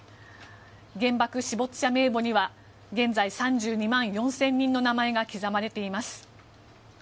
原爆死没者名簿には現在、３２万４０００人の名前が刻まれています。